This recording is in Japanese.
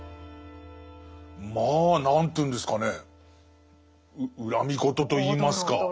まあ何というんですかね恨み言といいますか。